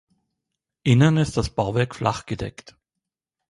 Innen ist das Bauwerk flachgedeckt.